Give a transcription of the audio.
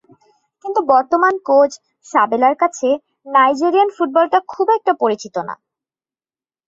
কিন্তু বর্তমান কোচ সাবেলার কাছে নাইজেরিয়ান ফুটবলটা খুব একটা পরিচিত না।